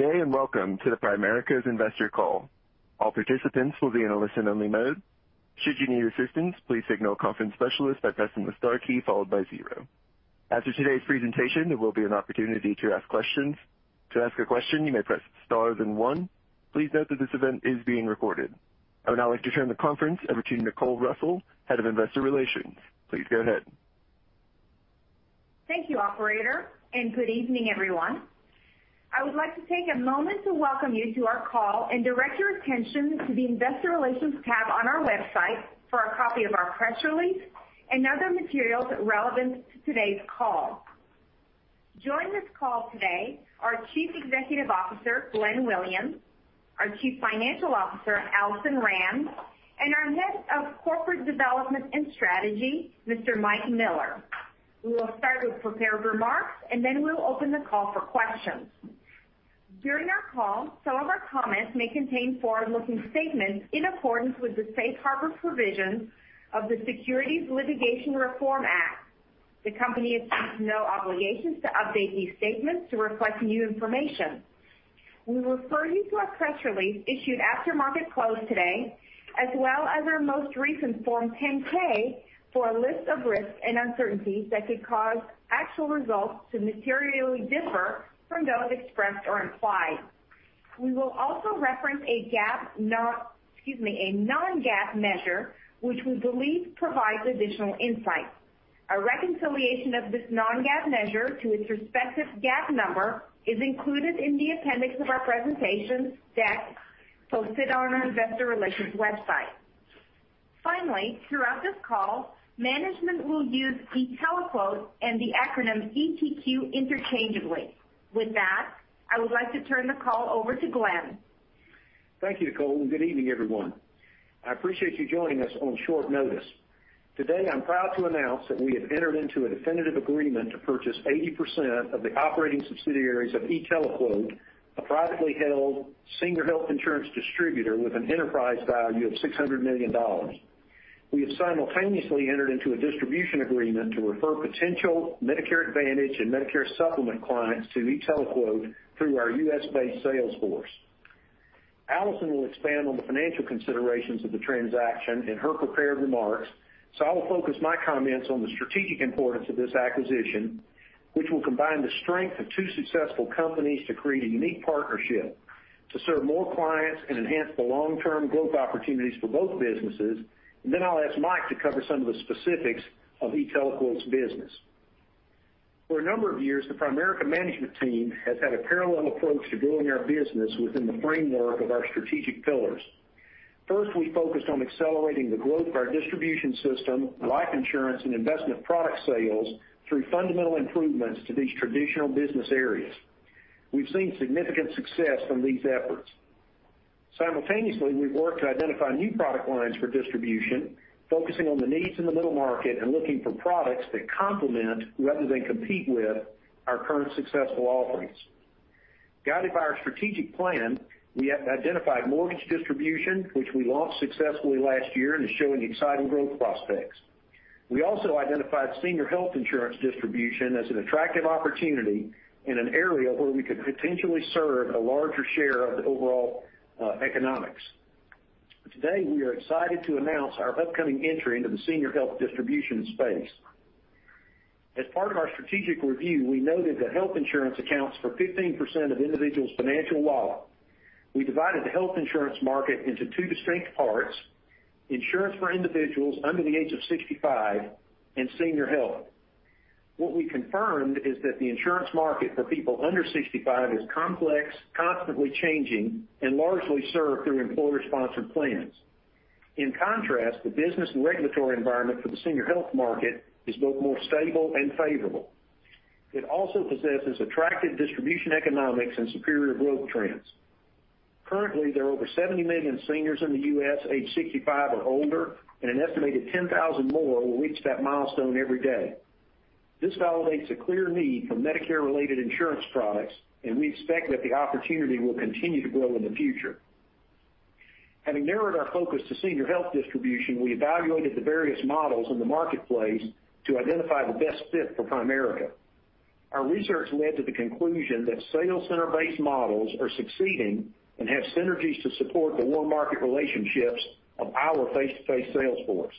Good day, and welcome to Primerica's investor call. All participants will be in a listen-only mode. Should you need assistance, please signal a conference specialist by pressing the star key followed by zero. After today's presentation, there will be an opportunity to ask questions. To ask a question, you may press star then one. Please note that this event is being recorded. I would now like to turn the conference over to Nicole Russell, Head of Investor Relations. Please go ahead. Thank you, operator, and good evening, everyone. I would like to take a moment to welcome you to our call and direct your attention to the Investor Relations tab on our website for a copy of our press release and other materials relevant to today's call. Joining this call today are Chief Executive Officer, Glenn Williams, our Chief Financial Officer, Alison Rand, and our Head of Corporate Development and Strategy, Mr. Mike Miller. We will start with prepared remarks, and then we'll open the call for questions. During our call, some of our comments may contain forward-looking statements in accordance with the safe harbor provisions of the Securities Litigation Reform Act. The company assumes no obligations to update these statements to reflect new information. We refer you to our press release issued after market close today, as well as our most recent Form 10-K for a list of risks and uncertainties that could cause actual results to materially differ from those expressed or implied. We will also reference a non-GAAP measure, which we believe provides additional insight. A reconciliation of this non-GAAP measure to its respective GAAP number is included in the appendix of our presentation deck posted on our investor relations website. Finally, throughout this call, management will use e-TeleQuote and the acronym ETQ interchangeably. With that, I would like to turn the call over to Glenn. Thank you, Nicole, and good evening, everyone. I appreciate you joining us on short notice. Today, I'm proud to announce that we have entered into a definitive agreement to purchase 80% of the operating subsidiaries of e-TeleQuote, a privately held Senior Health insurance distributor with an enterprise value of $600 million. We have simultaneously entered into a distribution agreement to refer potential Medicare Advantage and Medicare Supplement clients to e-TeleQuote through our U.S.-based sales force. Alison will expand on the financial considerations of the transaction in her prepared remarks, so I will focus my comments on the strategic importance of this acquisition, which will combine the strength of two successful companies to create a unique partnership to serve more clients and enhance the long-term growth opportunities for both businesses. Then I'll ask Mike to cover some of the specifics of e-TeleQuote's business. For a number of years, the Primerica management team has had a parallel approach to growing our business within the framework of our strategic pillars. First, we focused on accelerating the growth of our distribution system, life insurance, and investment product sales through fundamental improvements to these traditional business areas. We've seen significant success from these efforts. Simultaneously, we've worked to identify new product lines for distribution, focusing on the needs in the middle market and looking for products that complement rather than compete with our current successful offerings. Guided by our strategic plan, we have identified mortgage distribution, which we launched successfully last year and is showing exciting growth prospects. We also identified senior health insurance distribution as an attractive opportunity in an area where we could potentially serve a larger share of the overall economics. Today, we are excited to announce our upcoming entry into the senior health distribution space. As part of our strategic review, we noted that health insurance accounts for 15% of individuals' financial wallet. We divided the health insurance market into two distinct parts, insurance for individuals under the age of 65 and Senior Health. What we confirmed is that the insurance market for people under 65 is complex, constantly changing, and largely served through employer-sponsored plans. In contrast, the business and regulatory environment for the Senior Health market is both more stable and favorable. It also possesses attractive distribution economics and superior growth trends. Currently, there are over 70 million seniors in the U.S. aged 65 or older, and an estimated 10,000 more will reach that milestone every day. This validates a clear need for Medicare-related insurance products, and we expect that the opportunity will continue to grow in the future. Having narrowed our focus to senior health distribution, we evaluated the various models in the marketplace to identify the best fit for Primerica. Our research led to the conclusion that sales center-based models are succeeding and have synergies to support the warm market relationships of our face-to-face sales force.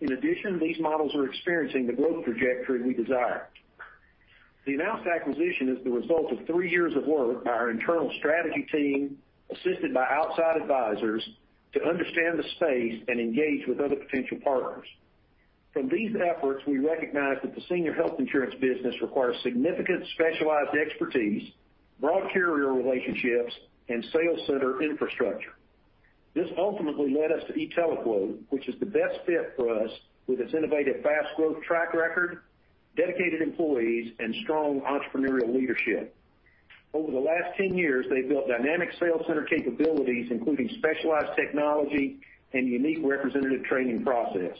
In addition, these models are experiencing the growth trajectory we desire. The announced acquisition is the result of three years of work by our internal strategy team, assisted by outside advisors, to understand the space and engage with other potential partners. From these efforts, we recognized that the senior health insurance business requires significant specialized expertise, broad carrier relationships, and sales center infrastructure. This ultimately led us to e-TeleQuote, which is the best fit for us with its innovative fast growth track record, dedicated employees, and strong entrepreneurial leadership. Over the last 10 years, they've built dynamic sales center capabilities, including specialized technology and unique representative training process.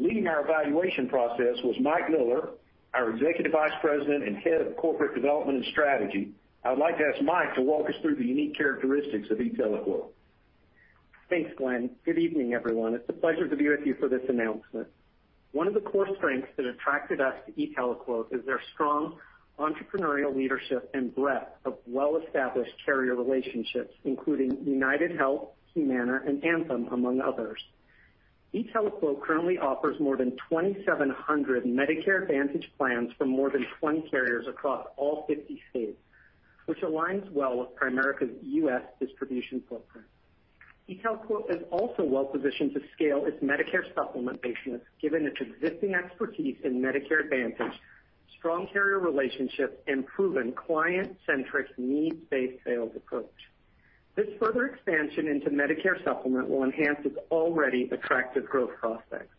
Leading our evaluation process was Mike Miller, our Executive Vice President and Head of Corporate Development and Strategy. I would like to ask Mike to walk us through the unique characteristics of e-TeleQuote. Thanks, Glenn. Good evening, everyone. It's a pleasure to be with you for this announcement. One of the core strengths that attracted us to e-TeleQuote is their strong entrepreneurial leadership and breadth of well-established carrier relationships, including UnitedHealth, Humana, and Anthem, among others. e-TeleQuote currently offers more than 2,700 Medicare Advantage plans from more than 20 carriers across all 50 U.S. states, which aligns well with Primerica's U.S. distribution footprint. e-TeleQuote is also well-positioned to scale its Medicare Supplement business given its existing expertise in Medicare Advantage, strong carrier relationships, and proven client-centric, needs-based sales approach. This further expansion into Medicare Supplement will enhance its already attractive growth prospects.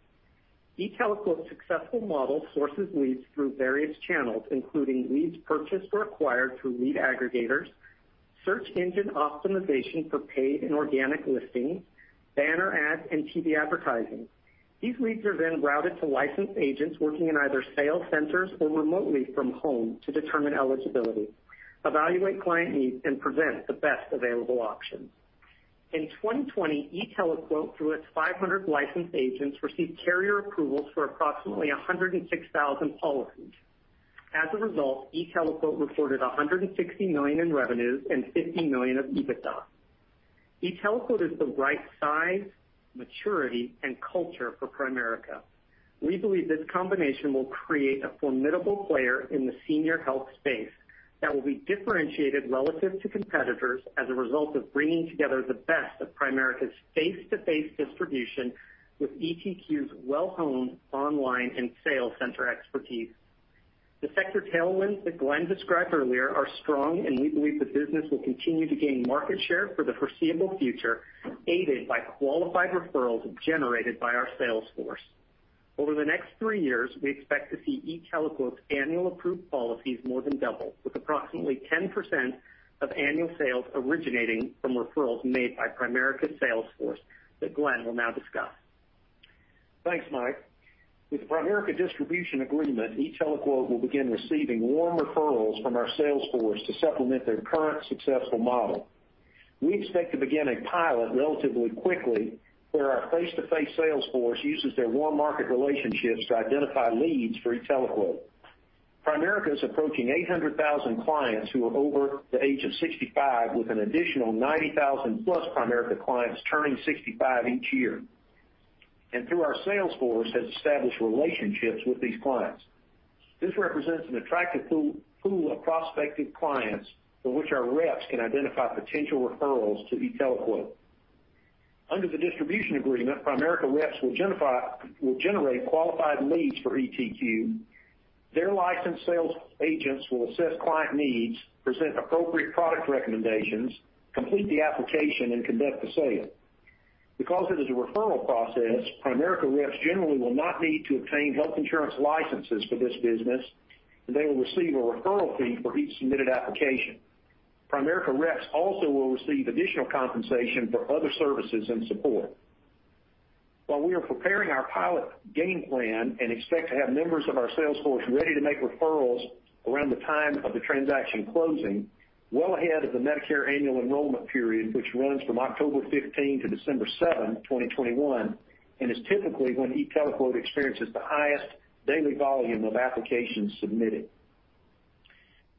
e-TeleQuote's successful model sources leads through various channels, including leads purchased or acquired through lead aggregators, search engine optimization for paid and organic listings, banner ads, and TV advertising. These leads are then routed to licensed agents working in either sales centers or remotely from home to determine eligibility, evaluate client needs, and present the best available options. In 2020, e-TeleQuote, through its 500 licensed agents, received carrier approvals for approximately 106,000 policies. As a result, e-TeleQuote reported $160 million in revenues and $50 million of EBITDA. e-TeleQuote is the right size, maturity, and culture for Primerica. We believe this combination will create a formidable player in the Senior Health space that will be differentiated relative to competitors as a result of bringing together the best of Primerica's face-to-face distribution with ETQ's well-honed online and sales center expertise. The sector tailwinds that Glenn described earlier are strong, and we believe the business will continue to gain market share for the foreseeable future, aided by qualified referrals generated by our sales force. Over the next three years, we expect to see e-TeleQuote's annual approved policies more than double, with approximately 10% of annual sales originating from referrals made by Primerica's sales force that Glenn will now discuss. Thanks, Mike. With the Primerica distribution agreement, e-TeleQuote will begin receiving warm referrals from our sales force to supplement their current successful model. We expect to begin a pilot relatively quickly where our face-to-face sales force uses their warm market relationships to identify leads for e-TeleQuote. Primerica is approaching 800,000 clients who are over the age of 65, with an additional 90,000-plus Primerica clients turning 65 each year, and through our sales force has established relationships with these clients. This represents an attractive pool of prospective clients for which our reps can identify potential referrals to e-TeleQuote. Under the distribution agreement, Primerica reps will generate qualified leads for ETQ. Their licensed sales agents will assess client needs, present appropriate product recommendations, complete the application, and conduct the sale. Because it is a referral process, Primerica reps generally will not need to obtain health insurance licenses for this business, and they will receive a referral fee for each submitted application. Primerica reps also will receive additional compensation for other services and support. While we are preparing our pilot game plan and expect to have members of our sales force ready to make referrals around the time of the transaction closing well ahead of the Medicare annual enrollment period, which runs from October 15 to December 7, 2021, and is typically when e-TeleQuote experiences the highest daily volume of applications submitted.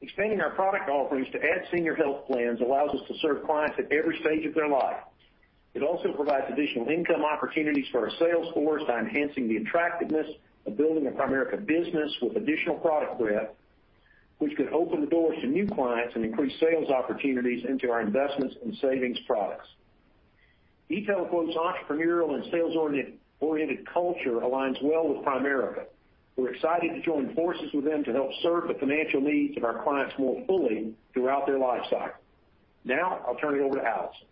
Expanding our product offerings to add Senior Health plans allows us to serve clients at every stage of their life. It also provides additional income opportunities for our sales force by enhancing the attractiveness of building a Primerica business with additional product breadth, which could open the doors to new clients and increase sales opportunities into our investments and savings products. e-TeleQuote's entrepreneurial and sales-oriented culture aligns well with Primerica. We're excited to join forces with them to help serve the financial needs of our clients more fully throughout their life cycle. Now, I'll turn it over to Alison.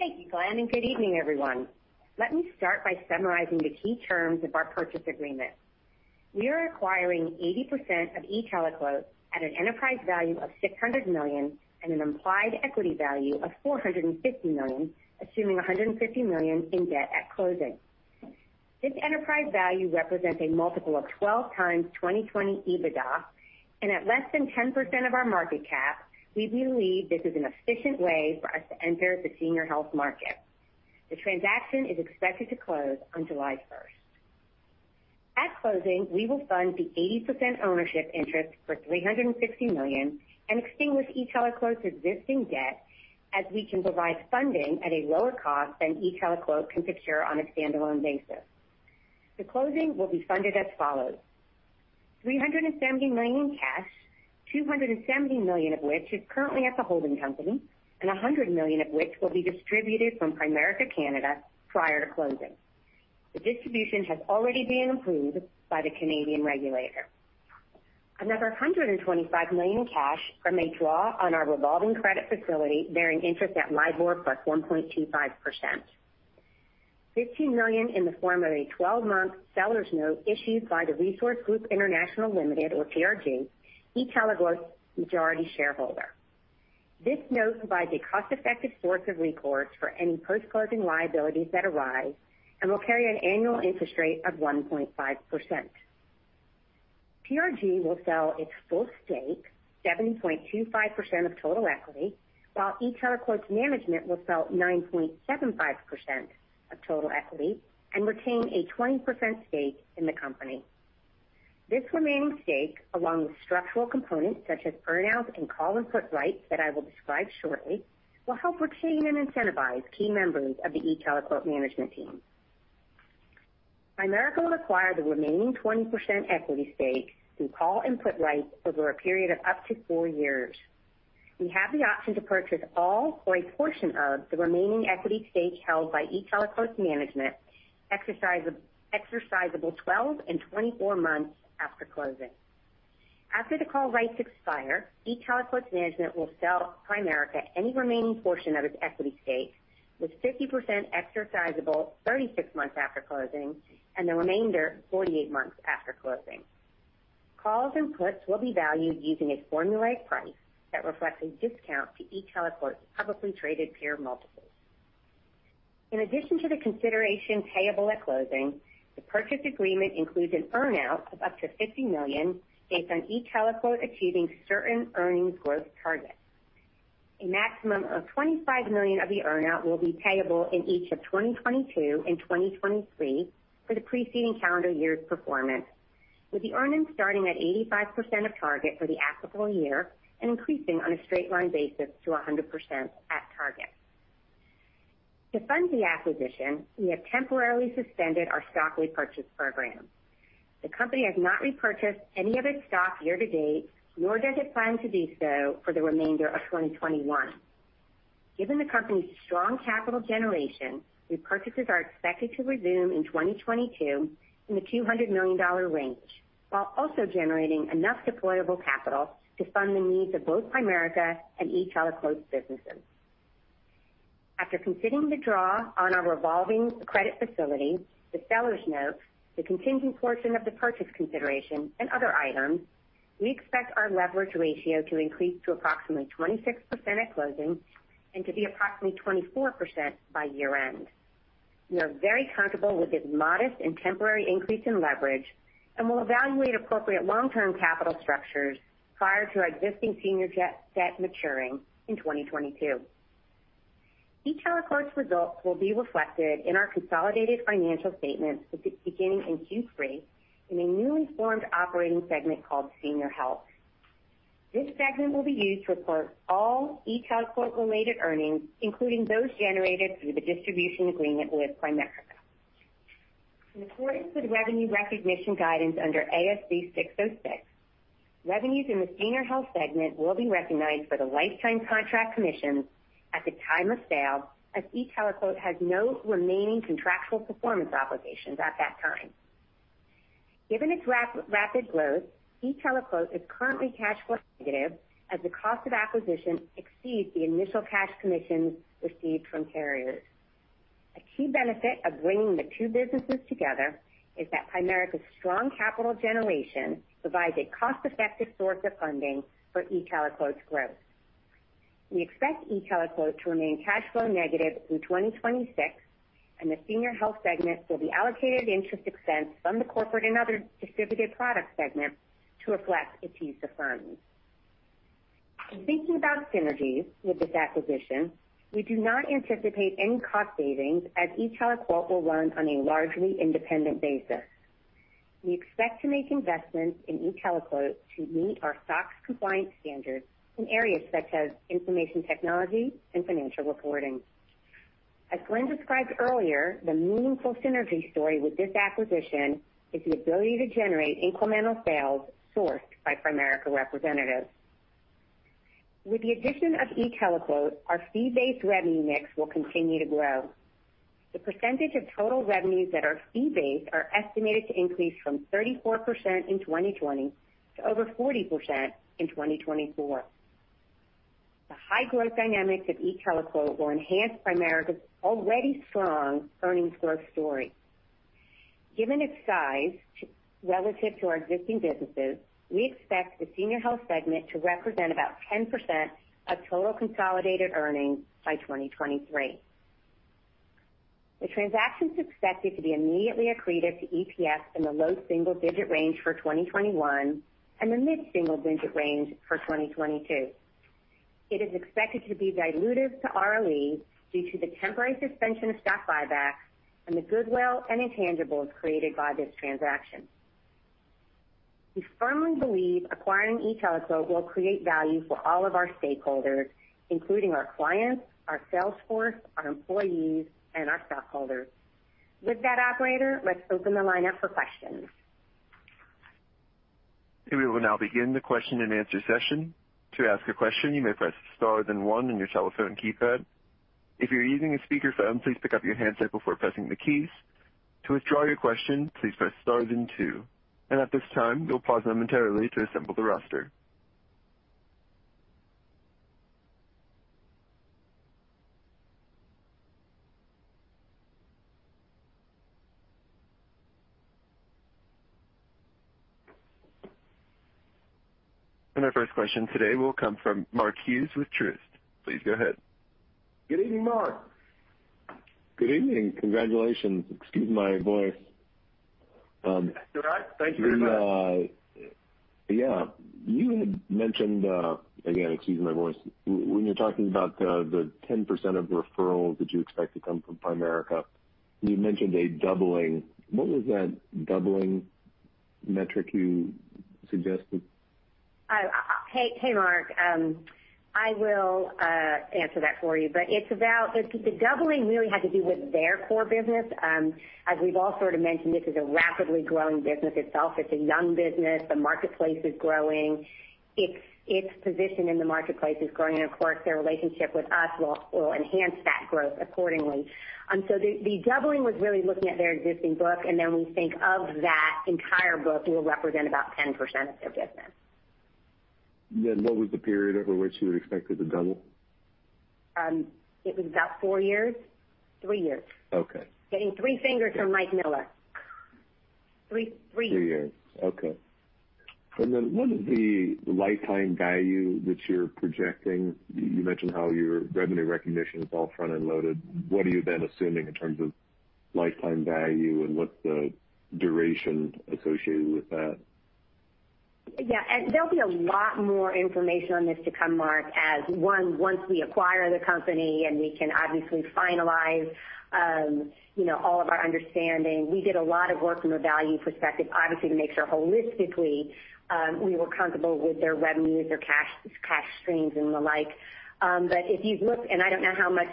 Thank you, Glenn, and good evening, everyone. Let me start by summarizing the key terms of our purchase agreement. We are acquiring 80% of e-TeleQuote at an enterprise value of $600 million and an implied equity value of $450 million, assuming $150 million in debt at closing. This enterprise value represents a multiple of 12 times 2020 EBITDA, and at less than 10% of our market cap, we believe this is an efficient way for us to enter the Senior Health market. The transaction is expected to close on July 1st. At closing, we will fund the 80% ownership interest for $360 million and extinguish e-TeleQuote's existing debt, as we can provide funding at a lower cost than e-TeleQuote can secure on a standalone basis. The closing will be funded as follows: $370 million in cash, $270 million of which is currently at the holding company and 100 million of which will be distributed from Primerica Canada prior to closing. The distribution has already been approved by the Canadian regulator. Another $125 million cash from a draw on our revolving credit facility bearing interest at LIBOR plus 1.25%. $50 million in the form of a 12-month seller's note issued by The Resource Group International Limited or TRG, e-TeleQuote's majority shareholder. This note provides a cost-effective source of recourse for any post-closing liabilities that arise and will carry an annual interest rate of 1.5%. TRG will sell its full stake, 70.25% of total equity, while e-TeleQuote's management will sell 9.75% of total equity and retain a 20% stake in the company. This remaining stake, along with structural components such as earn-outs and call and put rights that I will describe shortly, will help retain and incentivize key members of the e-TeleQuote management team. Primerica will acquire the remaining 20% equity stake through call and put rights over a period of up to 4 years. We have the option to purchase all or a portion of the remaining equity stake held by e-TeleQuote management, exercisable 12 and 24 months after closing. After the call rights expire, e-TeleQuote's management will sell Primerica any remaining portion of its equity stake, with 50% exercisable 36 months after closing and the remainder 48 months after closing. Calls and puts will be valued using a formulaic price that reflects a discount to e-TeleQuote's publicly traded peer multiples. In addition to the consideration payable at closing, the purchase agreement includes an earn-out of up to $50 million based on e-TeleQuote achieving certain earnings growth targets. A maximum of $25 million of the earn-out will be payable in each of 2022 and 2023 for the preceding calendar year's performance, with the earnings starting at 85% of target for the applicable year and increasing on a straight line basis to 100% at target. To fund the acquisition, we have temporarily suspended our stock repurchase program. The company has not repurchased any of its stock year to date, nor does it plan to do so for the remainder of 2021. Given the company's strong capital generation, repurchases are expected to resume in 2022 in the $200 million range, while also generating enough deployable capital to fund the needs of both Primerica and e-TeleQuote's businesses. After considering the draw on our revolving credit facility, the seller's note, the contingent portion of the purchase consideration, and other items, we expect our leverage ratio to increase to approximately 26% at closing and to be approximately 24% by year-end. We are very comfortable with this modest and temporary increase in leverage and will evaluate appropriate long-term capital structures prior to our existing senior debt maturing in 2022. e-TeleQuote's results will be reflected in our consolidated financial statements beginning in Q3 in a newly formed operating segment called Senior Health. This segment will be used to report all e-TeleQuote-related earnings, including those generated through the distribution agreement with Primerica. In accordance with revenue recognition guidance under ASC 606, revenues in the Senior Health segment will be recognized for the lifetime contract commissions at the time of sale, as e-TeleQuote has no remaining contractual performance obligations at that time. Given its rapid growth, e-TeleQuote is currently cash flow negative as the cost of acquisition exceeds the initial cash commissions received from carriers. A key benefit of bringing the two businesses together is that Primerica's strong capital generation provides a cost-effective source of funding for e-TeleQuote's growth. We expect e-TeleQuote to remain cash flow negative through 2026, and the Senior Health segment will be allocated interest expense from the corporate and other distributed products segment to reflect its use of funds. In thinking about synergies with this acquisition, we do not anticipate any cost savings as e-TeleQuote will run on a largely independent basis. We expect to make investments in e-TeleQuote to meet our SOX compliance standards in areas such as information technology and financial reporting. As Glenn described earlier, the meaningful synergy story with this acquisition is the ability to generate incremental sales sourced by Primerica representatives. With the addition of e-TeleQuote, our fee-based revenue mix will continue to grow. The percentage of total revenues that are fee-based are estimated to increase from 34% in 2020 to over 40% in 2024. The high growth dynamics of e-TeleQuote will enhance Primerica's already strong earnings growth story. Given its size relative to our existing businesses, we expect the Senior Health segment to represent about 10% of total consolidated earnings by 2023. The transaction is expected to be immediately accretive to EPS in the low single-digit range for 2021 and the mid-single-digit range for 2022. It is expected to be dilutive to ROE due to the temporary suspension of stock buybacks and the goodwill and intangibles created by this transaction. We firmly believe acquiring e-TeleQuote will create value for all of our stakeholders, including our clients, our sales force, our employees, and our stockholders. With that, operator, let's open the line up for questions. We will now begin the question-and-answer session. To ask a question, you may press star then one on your telephone keypad. If you're using a speakerphone, please pick up your handset before pressing the keys. To withdraw your question, please press star then two. At this time, we'll pause momentarily to assemble the roster. Our first question today will come from Mark Hughes with Truist. Please go ahead. Good evening, Mark. Good evening. Congratulations. Excuse my voice. You're all right. Thank you very much. Yeah. You had mentioned, again, excuse my voice. When you're talking about the 10% of referrals that you expect to come from Primerica, you mentioned a doubling. What was that doubling metric you suggested? Hey, Mark. I will answer that for you. The doubling really had to do with their core business. As we've all sort of mentioned, this is a rapidly growing business itself. It's a young business. The marketplace is growing. Its position in the marketplace is growing, and of course, their relationship with us will enhance that growth accordingly. The doubling was really looking at their existing book, and then we think of that entire book will represent about 10% of their business. what was the period over which you would expect it to double? It was about four years. Three years. Okay. Getting three fingers from Michael Miller. Three. Three years. Okay. what is the lifetime value that you're projecting? You mentioned how your revenue recognition is all front-end loaded. What are you then assuming in terms of lifetime value and what's the duration associated with that? Yeah. There'll be a lot more information on this to come, Mark, once we acquire the company and we can obviously finalize all of our understanding. We did a lot of work from a value perspective, obviously, to make sure holistically, we were comfortable with their revenues, their cash streams, and the like. If you've looked, and I don't know how much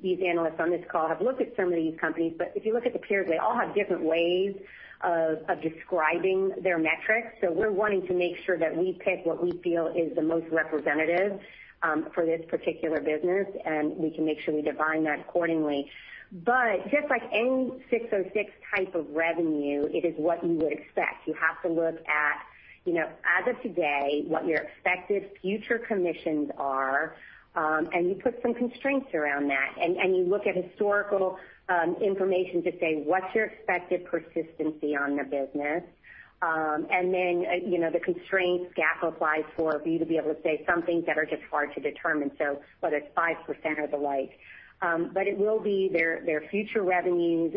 these analysts on this call have looked at some of these companies, if you look at the peers, they all have different ways of describing their metrics. We're wanting to make sure that we pick what we feel is the most representative for this particular business, and we can make sure we define that accordingly. Just like any 606 type of revenue, it is what you would expect. You have to look at, as of today, what your expected future commissions are, you put some constraints around that, you look at historical information to say, what's your expected persistency on the business? The constraints GAAP applies for you to be able to say some things that are just hard to determine. Whether it's 5% or the like. It will be their future revenues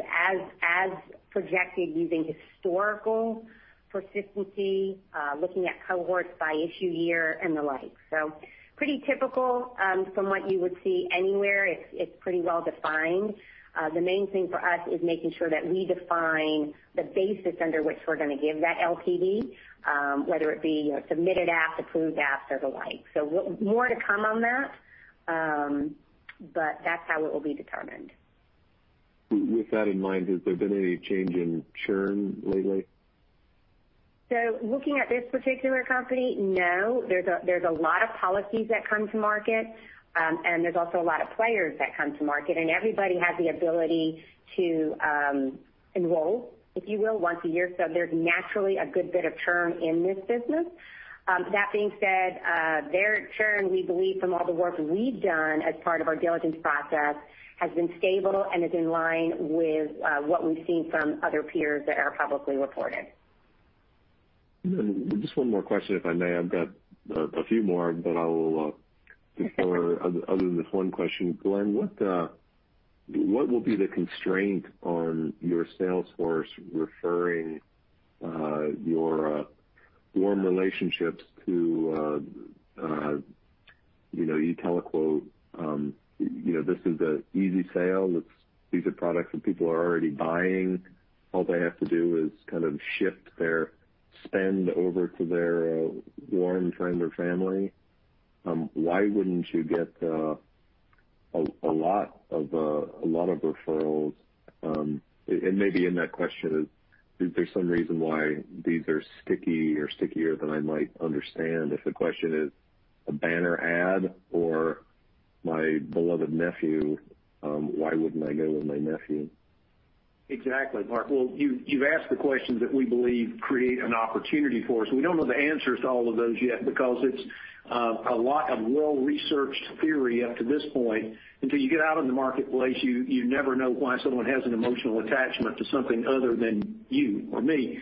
as projected using historical persistency, looking at cohorts by issue year, and the like. Pretty typical from what you would see anywhere. It's pretty well-defined. The main thing for us is making sure that we define the basis under which we're going to give that LTV, whether it be submitted after, approved after or the like. More to come on that's how it will be determined. With that in mind, has there been any change in churn lately? Looking at this particular company, no. There's a lot of policies that come to market, there's also a lot of players that come to market, everybody has the ability to enroll, if you will, once a year. There's naturally a good bit of churn in this business. That being said, their churn, we believe from all the work we've done as part of our diligence process, has been stable and is in line with what we've seen from other peers that are publicly reported. Just one more question, if I may. I've got a few more, but I will defer other than this one question. Glenn, what will be the constraint on your sales force referring your warm relationships to e-TeleQuote, this is an easy sale. These are products that people are already buying. All they have to do is kind of shift their spend over to their warm friend or family. Why wouldn't you get a lot of referrals? Maybe in that question is there some reason why these are sticky or stickier than I might understand? If the question is a banner ad or my beloved nephew, why wouldn't I go with my nephew? Exactly, Mark. Well, you've asked the questions that we believe create an opportunity for us. We don't know the answers to all of those yet because it's a lot of well-researched theory up to this point. Until you get out in the marketplace, you never know why someone has an emotional attachment to something other than you or me.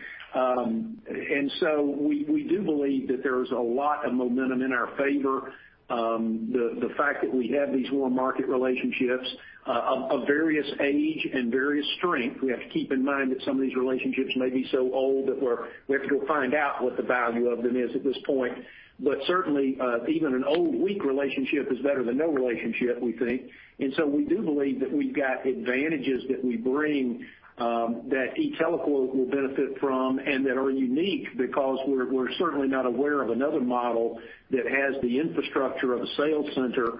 We do believe that there's a lot of momentum in our favor. The fact that we have these warm market relationships of various age and various strength, we have to keep in mind that some of these relationships may be so old that we have to go find out what the value of them is at this point. Certainly, even an old, weak relationship is better than no relationship, we think. We do believe that we've got advantages that we bring that e-TeleQuote will benefit from and that are unique because we're certainly not aware of another model that has the infrastructure of a sales center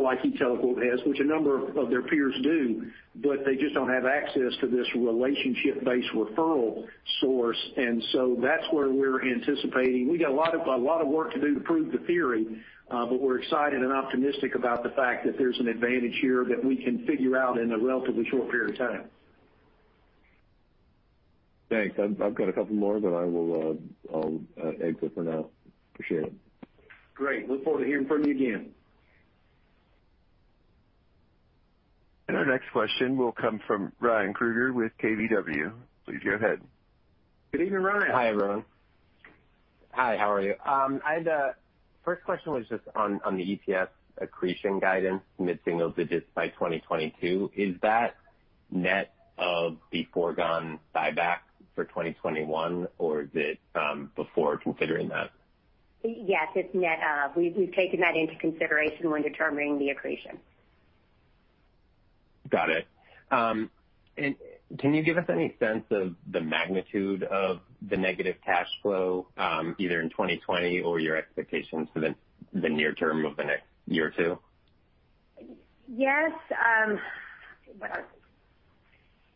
like e-TeleQuote has, which a number of their peers do, but they just don't have access to this relationship-based referral source. That's where we're anticipating. We got a lot of work to do to prove the theory, but we're excited and optimistic about the fact that there's an advantage here that we can figure out in a relatively short period of time. Thanks. I've got a couple more, but I will exit for now. Appreciate it. Great. Look forward to hearing from you again. Our next question will come from Ryan Krueger with KBW. Please go ahead. Good evening, Ryan. Hi, everyone. Hi, how are you? I had a first question was just on the EPS accretion guidance, mid-single digits by 2022. Is that net of the foregone buyback for 2021 or is it before considering that? Yes, it's net of. We've taken that into consideration when determining the accretion. Got it. Can you give us any sense of the magnitude of the negative cash flow either in 2020 or your expectations for the near term of the next year or two? Yes.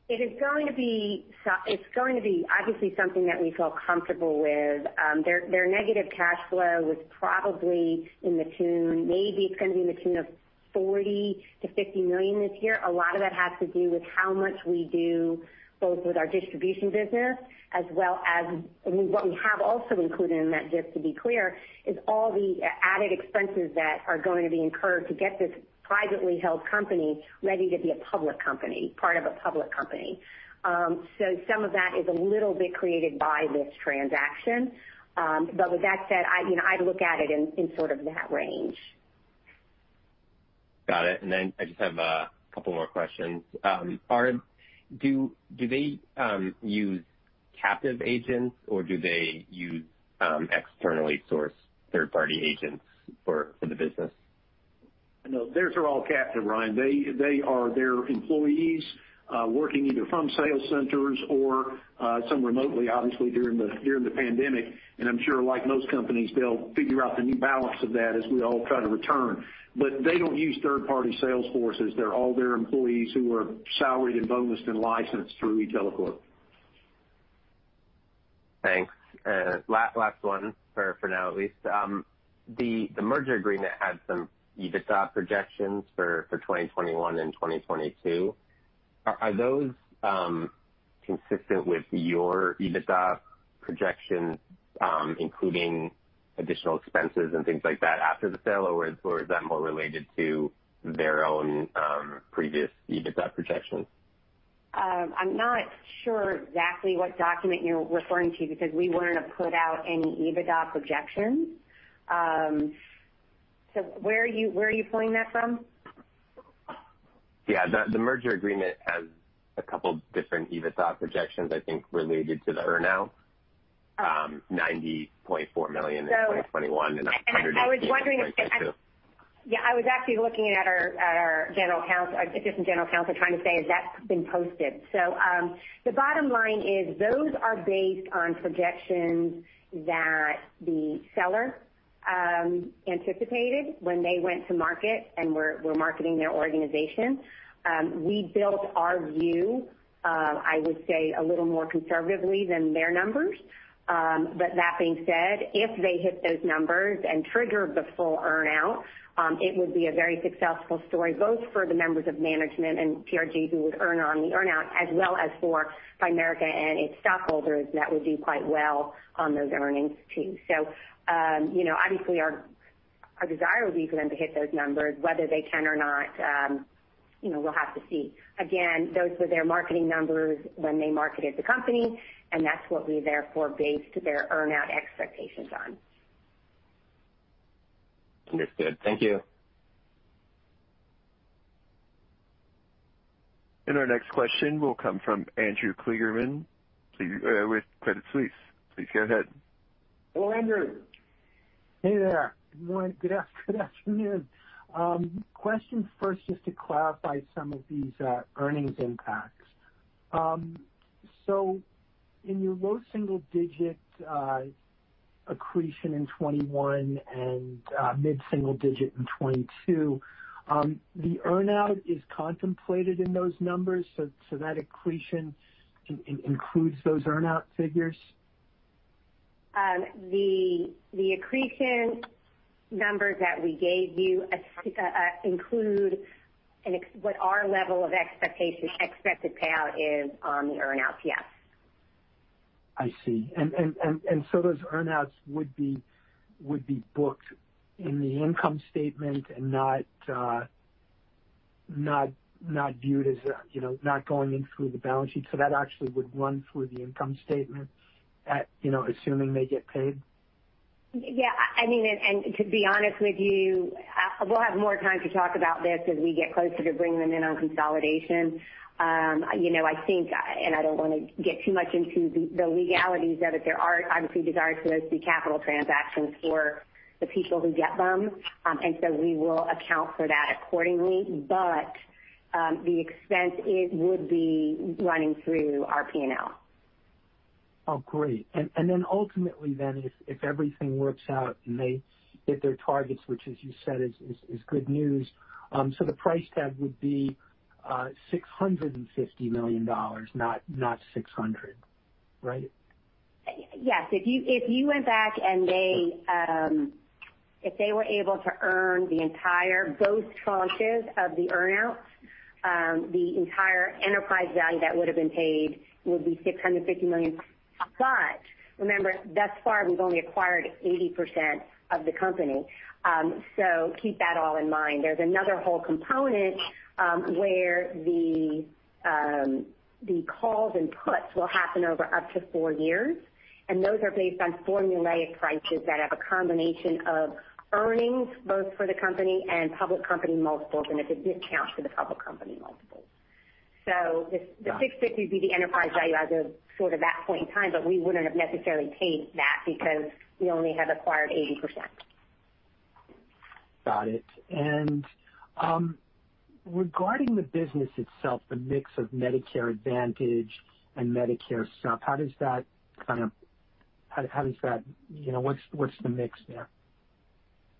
It is going to be obviously something that we feel comfortable with. Their negative cash flow was probably in the tune, maybe it's going to be in the tune of $40 million-$50 million this year. A lot of that has to do with how much we do, both with our distribution business, as well as what we have also included in that deal, to be clear, is all the added expenses that are going to be incurred to get this privately held company ready to be a public company, part of a public company. Some of that is a little bit created by this transaction. With that said, I'd look at it in sort of that range. Got it. I just have a couple more questions. Do they use captive agents or do they use externally sourced third-party agents for the business? No, theirs are all captive, Ryan. They are their employees working either from sales centers or some remotely, obviously during the pandemic. I'm sure like most companies, they'll figure out the new balance of that as we all try to return. They don't use third-party sales forces. They're all their employees who are salaried and bonused and licensed through e-TeleQuote. Thanks. Last one for now at least. The merger agreement had some EBITDA projections for 2021 and 2022. Are those consistent with your EBITDA projections including additional expenses and things like that after the sale, or is that more related to their own previous EBITDA projections? I'm not sure exactly what document you're referring to because we weren't to put out any EBITDA projections. Where are you pulling that from? Yeah, the merger agreement has a couple different EBITDA projections, I think, related to the earn-out, $90.4 million in 2021 and $118 in 2022. I was actually looking at our assistant general counsel trying to say if that's been posted. The bottom line is those are based on projections that the seller anticipated when they went to market and were marketing their organization. We built our view I would say a little more conservatively than their numbers. That being said, if they hit those numbers and triggered the full earn-out it would be a very successful story both for the members of management and TRG who would earn on the earn-out as well as for Primerica and its stockholders that would do quite well on those earnings too. Obviously our desire would be for them to hit those numbers. Whether they can or not we'll have to see. Again, those were their marketing numbers when they marketed the company, and that's what we therefore based their earn-out expectations on. Understood. Thank you. Our next question will come from Andrew Kligerman with Credit Suisse. Please go ahead. Hello, Andrew. Hey there. Good morning, good afternoon. Question first just to clarify some of these earnings impacts. In your low single-digit accretion in 2021 and mid-single-digit in 2022 the earn-out is contemplated in those numbers that accretion includes those earn-out figures? The accretion numbers that we gave you include what our level of expected payout is on the earn-out, yes. I see. Those earn-outs would be booked in the income statement and not going in through the balance sheet. That actually would run through the income statement assuming they get paid? Yeah. To be honest with you, we'll have more time to talk about this as we get closer to bringing them in on consolidation. I think, and I don't want to get too much into the legalities of it, there are obviously desires for those to be capital transactions for the people who get them we will account for that accordingly. The expense would be running through our P&L. Oh, great. Ultimately if everything works out and they hit their targets, which as you said is good news. The price tag would be $650 million, not $600, right? Yes. If you went back and if they were able to earn the entire both tranches of the earn-outs, the entire enterprise value that would have been paid would be $650 million. Remember, thus far, we've only acquired 80% of the company. Keep that all in mind. There's another whole component, where the calls and puts will happen over up to four years, and those are based on formulaic prices that have a combination of earnings, both for the company and public company multiples, and it's a discount for the public company multiples. The $650 would be the enterprise value as of sort of that point in time, but we wouldn't have necessarily paid that because we only have acquired 80%. Got it. Regarding the business itself, the mix of Medicare Advantage and MedSup, what's the mix there?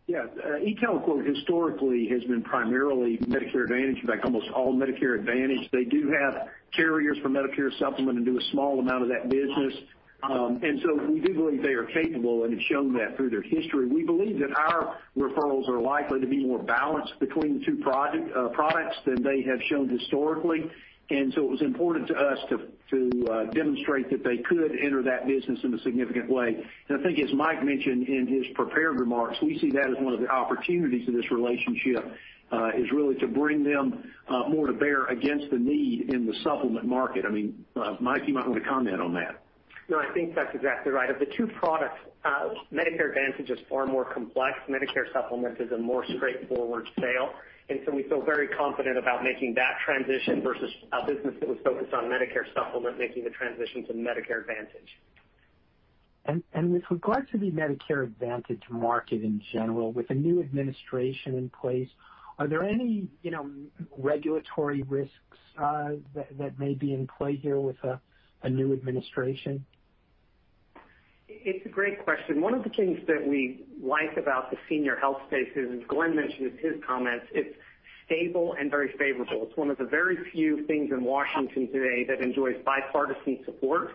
Yeah. e-TeleQuote historically has been primarily Medicare Advantage. In fact, almost all Medicare Advantage. They do have carriers for Medicare Supplement and do a small amount of that business. We do believe they are capable and have shown that through their history. We believe that our referrals are likely to be more balanced between the two products than they have shown historically. It was important to us to demonstrate that they could enter that business in a significant way. I think, as Mike mentioned in his prepared remarks, we see that as one of the opportunities in this relationship, is really to bring them more to bear against the need in the supplement market. Mike, you might want to comment on that. No, I think that's exactly right. Of the two products, Medicare Advantage is far more complex. Medicare Supplement is a more straightforward sale. We feel very confident about making that transition versus a business that was focused on Medicare Supplement, making the transition to Medicare Advantage. With regard to the Medicare Advantage market in general, with the new administration in place, are there any regulatory risks that may be in play here with a new administration? It's a great question. One of the things that we like about the Senior Health space is, as Glenn mentioned in his comments, it's stable and very favorable. It's one of the very few things in Washington today that enjoys bipartisan support.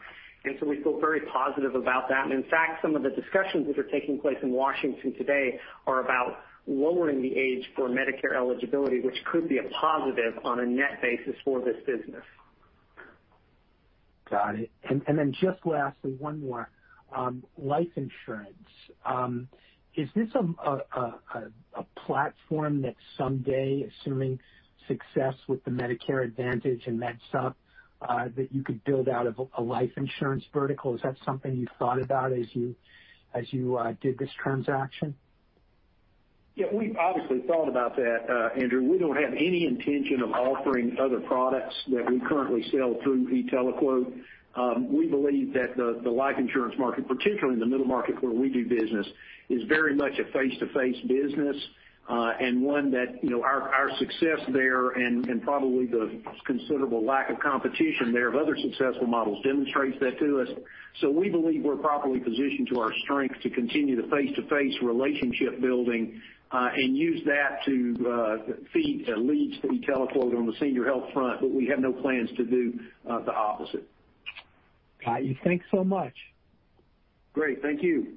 We feel very positive about that. In fact, some of the discussions which are taking place in Washington today are about lowering the age for Medicare eligibility, which could be a positive on a net basis for this business. Got it. Just lastly, one more. Life insurance. Is this a platform that someday, assuming success with the Medicare Advantage and MedSup, that you could build out a life insurance vertical? Is that something you thought about as you did this transaction? Yeah, we've obviously thought about that, Andrew. We don't have any intention of offering other products that we currently sell through e-TeleQuote. We believe that the life insurance market, particularly in the middle market where we do business, is very much a face-to-face business, and one that our success there, and probably the considerable lack of competition there of other successful models demonstrates that to us. We believe we're properly positioned to our strength to continue the face-to-face relationship building, and use that to feed leads to e-TeleQuote on the Senior Health front, but we have no plans to do the opposite. Got you. Thanks so much. Great. Thank you.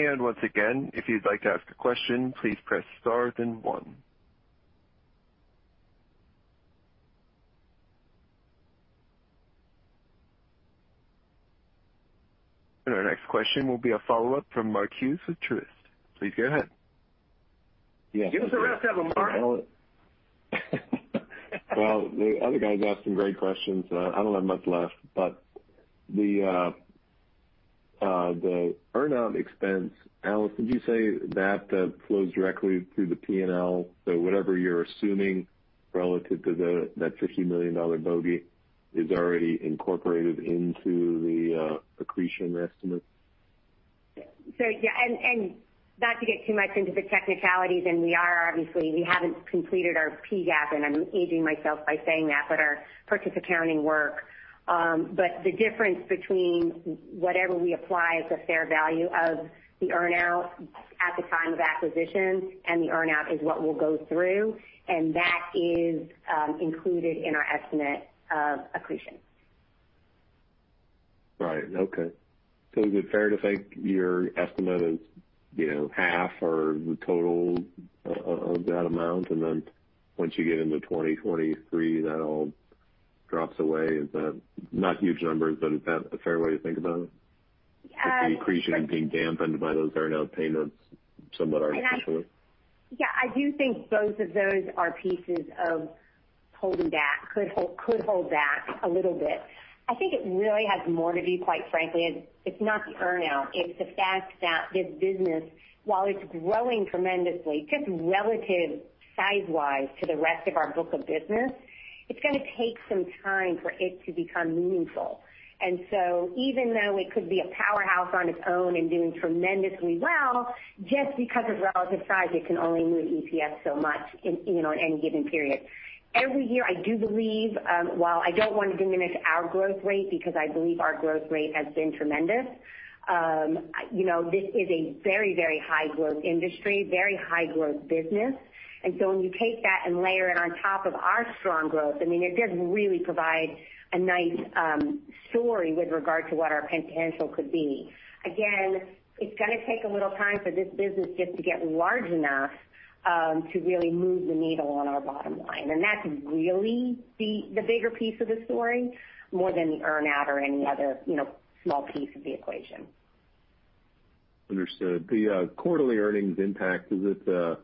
Once again, if you'd like to ask a question, please press star then one. Our next question will be a follow-up from Mark Hughes with Truist. Please go ahead. Give us a rest, Mark. The other guys asked some great questions. I don't have much left. The earn-out expense, Alison, did you say that flows directly through the P&L? Whatever you're assuming relative to that $50 million bogey is already incorporated into the accretion estimates? Yeah. Not to get too much into the technicalities, we are obviously, we haven't completed our PGAAP, I'm aging myself by saying that, but our purchase accounting work. The difference between whatever we apply as a fair value of the earn-out at the time of acquisition and the earn-out is what we'll go through, that is included in our estimate of accretion. Right. Okay. Is it fair to think your estimate is half or the total of that amount, then once you get into 2023, that all drops away? Not huge numbers, but is that a fair way to think about it? Yeah. The accretion being dampened by those earn-out payments somewhat artificially. Yeah, I do think both of those are pieces of holding back. Could hold back a little bit. I think it really has more to do, quite frankly, it's not the earn-out, it's the fact that this business, while it's growing tremendously, just relative size-wise to the rest of our book of business, it's going to take some time for it to become meaningful. Even though it could be a powerhouse on its own and doing tremendously well, just because of relative size, it can only move EPS so much in any given period. Every year, I do believe, while I don't want to diminish our growth rate, because I believe our growth rate has been tremendous, this is a very, very high growth industry, very high growth business. When you take that and layer it on top of our strong growth, it does really provide a nice story with regard to what our potential could be. Again, it's going to take a little time for this business just to get large enough, to really move the needle on our bottom line. That's really the bigger piece of the story, more than the earn-out or any other small piece of the equation. Understood. The quarterly earnings impact, is it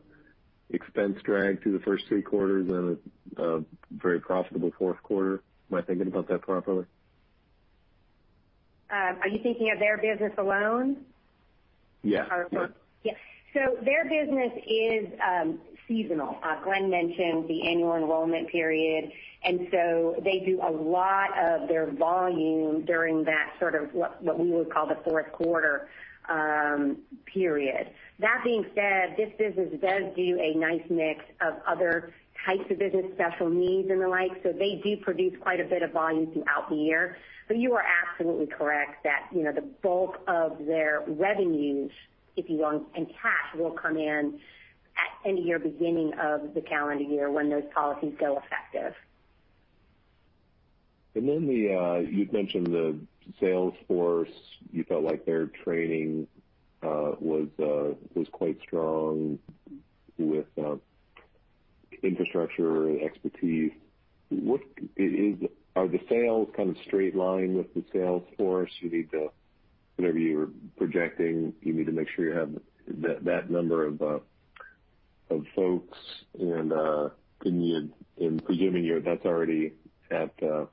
expense drag through the first three quarters and a very profitable fourth quarter? Am I thinking about that properly? Are you thinking of their business alone? Yes. Their business is seasonal. Glenn mentioned the annual enrollment period, they do a lot of their volume during that sort of what we would call the fourth quarter period. That being said, this business does do a nice mix of other types of business, special needs and the like, they do produce quite a bit of volume throughout the year. You are absolutely correct that the bulk of their revenues, if you want, and cash will come in at end of year, beginning of the calendar year, when those policies go effective. You've mentioned the sales force. You felt like their training was quite strong with infrastructure and expertise. Are the sales kind of straight line with the sales force? Whatever you were projecting, you need to make sure you have that number of folks, and presuming that's already are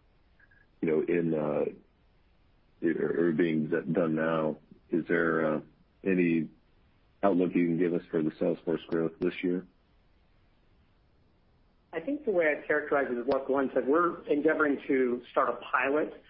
being done now, is there any outlook you can give us for the sales force growth this year? I think the way I'd characterize it is what Glenn said. We're endeavoring to start a pilot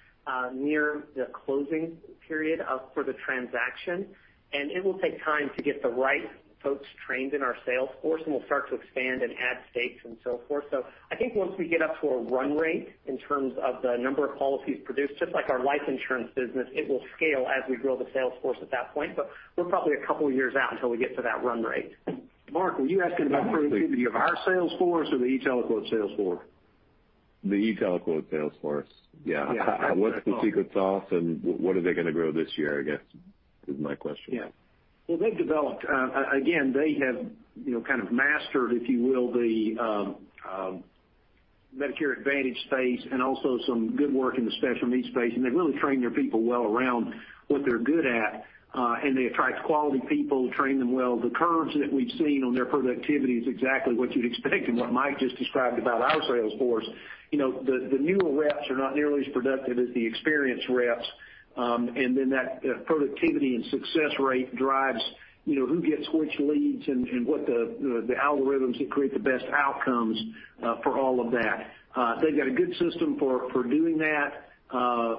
near the closing period for the transaction, it will take time to get the right folks trained in our sales force, we'll start to expand and add states and so forth. I think once we get up to a run rate in terms of the number of policies produced, just like our life insurance business, it will scale as we grow the sales force at that point, but we're probably a couple of years out until we get to that run rate. Mark, were you asking about productivity of our sales force or the e-TeleQuote sales force? The e-TeleQuote sales force. Yeah. What's the secret sauce, and what are they going to grow this year, I guess, is my question. Yeah. Well, they've developed, again, they have kind of mastered, if you will, the Medicare Advantage space and also some good work in the special needs space, and they really train their people well around what they're good at. They attract quality people, train them well. The curves that we've seen on their productivity is exactly what you'd expect, and what Mike just described about our sales force. The newer reps are not nearly as productive as the experienced reps. That productivity and success rate drives who gets which leads and what the algorithms that create the best outcomes for all of that. They've got a good system for doing that,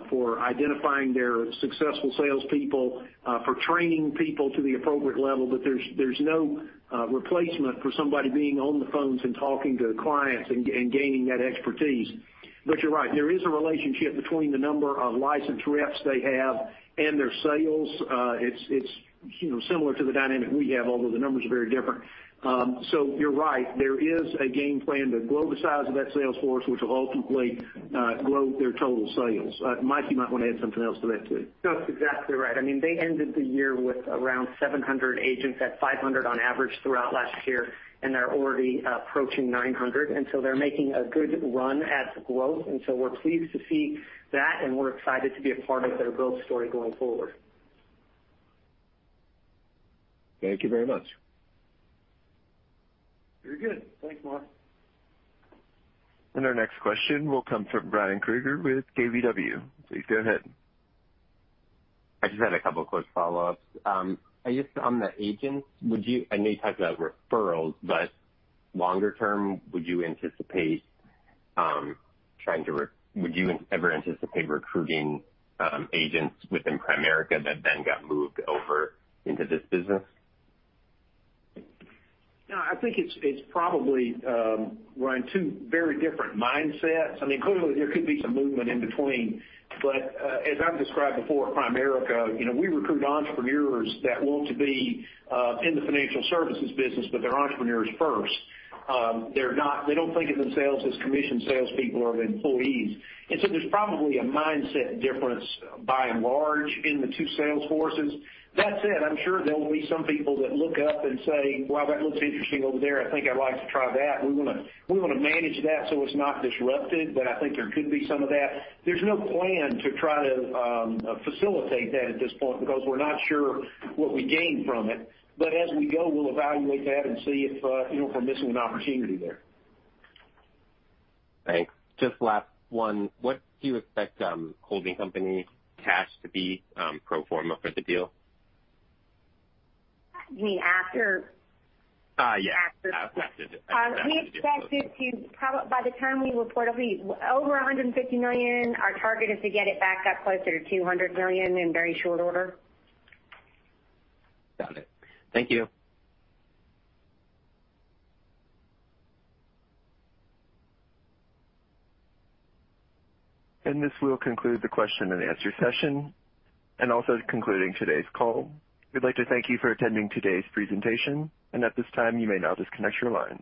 for identifying their successful salespeople, for training people to the appropriate level. There's no replacement for somebody being on the phones and talking to clients and gaining that expertise. You're right, there is a relationship between the number of licensed reps they have and their sales. It's similar to the dynamic we have, although the numbers are very different. You're right, there is a game plan to grow the size of that sales force, which will ultimately grow their total sales. Mike, you might want to add something else to that, too. No, that's exactly right. They ended the year with around 700 agents, had 500 on average throughout last year, they're already approaching 900, they're making a good run at growth, we're pleased to see that, and we're excited to be a part of their build story going forward. Thank you very much. Very good. Thanks, Mark. Our next question will come from Ryan Krueger with KBW. Please go ahead. I just had a couple quick follow-ups. I guess on the agents, I know you talked about referrals, but longer term, would you ever anticipate recruiting agents within Primerica that then got moved over into this business? No, I think it's probably, Ryan, two very different mindsets. Clearly, there could be some movement in between, but as I've described before at Primerica, we recruit entrepreneurs that want to be in the financial services business, but they're entrepreneurs first. They don't think of themselves as commissioned salespeople or employees, and so there's probably a mindset difference by and large in the two sales forces. That said, I'm sure there will be some people that look up and say, "Wow, that looks interesting over there. I think I'd like to try that." We want to manage that so it's not disrupted, but I think there could be some of that. There's no plan to try to facilitate that at this point because we're not sure what we gain from it. As we go, we'll evaluate that and see if we're missing an opportunity there. Thanks. Just last one. What do you expect holding company cash to be pro forma for the deal? You mean after? Yeah. After. We expect it to, by the time we report, it'll be over $150 million. Our target is to get it back up closer to $200 million in very short order. Got it. Thank you. This will conclude the question and answer session, also concluding today's call. We'd like to thank you for attending today's presentation. At this time, you may now disconnect your lines.